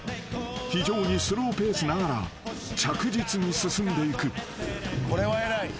［非常にスローペースながら着実に進んでいく］